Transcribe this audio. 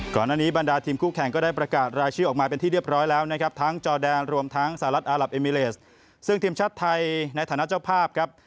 ก่อนหน้านี้บรรดาทีมคู่แข่งก็ได้ประกาศรายชื่อออกมาเป็นที่เรียบร้อยแล้วนะครับ